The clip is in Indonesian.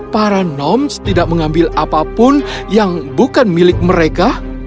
para noms tidak mengambil apapun yang bukan milik mereka